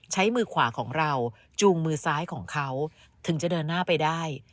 ใช้มือขวาของเราจูงมือซ้ายของเขาถึงจะเดินหน้าไปได้